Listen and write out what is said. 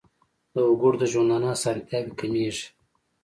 د وګړو د ژوندانه اسانتیاوې کمیږي.